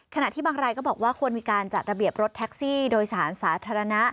ขณะที่บางรายก็บอกว่าควรมีการจัดระเบียบรถแท็กซี่โดยสารสาธารณะ